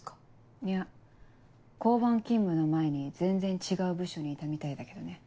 いや交番勤務の前に全然違う部署にいたみたいだけどね。